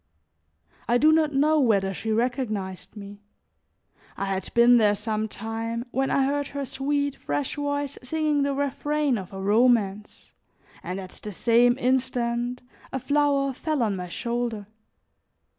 I do not know whether she recognized me; I had been there some time when I heard her sweet, fresh voice singing the refrain of a romance, and at the same instant a flower fell on my shoulder.